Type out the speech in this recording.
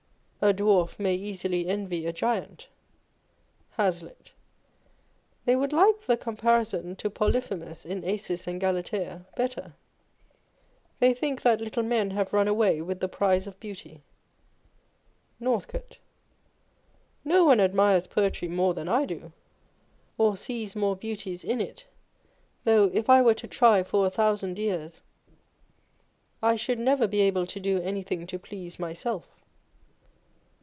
A dwarf may easily envy a giant. Hazlitt. They would like the comparison to Polyphemus in Acts and Galatea better. They think that little men have run away with the prize of beauty. Nortltcote. No one admires poetry more than I do, or sees more beauties in it ; though if I were to try for a thousand years, I should never be able to do anything to please myself.